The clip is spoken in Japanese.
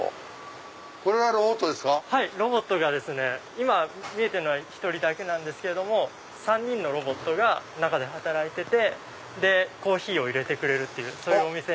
今見えてるのは１人だけなんですけども３人のロボットが中で働いててコーヒーを入れてくれる店。